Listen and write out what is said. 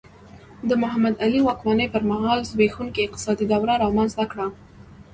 د محمد علي واکمنۍ پر مهال زبېښونکي اقتصاد دوره رامنځته کړه.